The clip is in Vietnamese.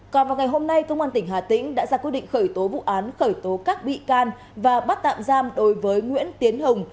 còn vào ngày hôm nay công an tỉnh hà tĩnh đã ra quyết định khởi tố vụ án khởi tố các bị can và bắt tạm giam đối với nguyễn tiến hùng